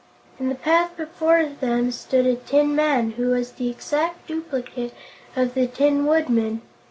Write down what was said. In the path before them stood a tin man who was the exact duplicate of the Tin Woodman.